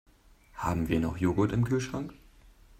Haben wir noch Joghurt im Kühlschrank?